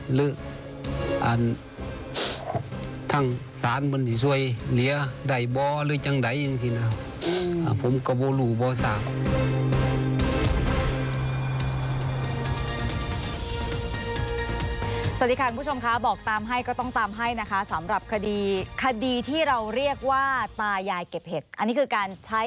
หรือทางศาลมันจะช่วยเหลือได้บ้าหรือจังไหนอย่างนี้นะ